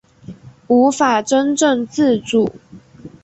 无法真正自主